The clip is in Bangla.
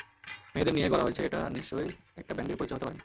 মেয়েদের নিয়ে গড়া হয়েছে, এটা নিশ্চয়ই একটা ব্যান্ডের পরিচয় হতে পারে না।